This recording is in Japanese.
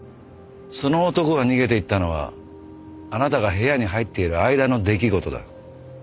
その男が逃げていったのはあなたが部屋に入っている間の出来事だ。